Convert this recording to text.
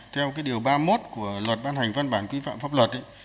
theo cái điều ba mươi một của luật ban hành văn bản quy phạm pháp luật